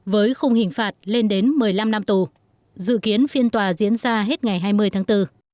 với khung hình phạt lên đến một mươi năm năm tù dự kiến phiên tòa diễn ra hết ngày hai mươi tháng bốn